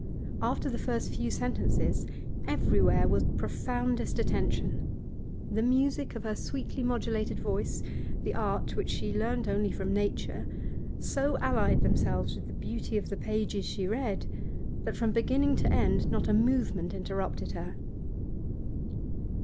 After the first few sentences, everywhere was profoundest attention; the music of her sweetly modulated voice, the art which she learnt only from nature, so allied themselves with the beauty of the pages she read that from beginning to end not a movement interrupted her.